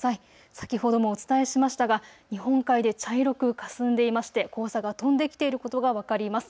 先ほどもお伝えしましたが日本海で茶色くかすんでいまして黄砂が飛んできていることが分かります。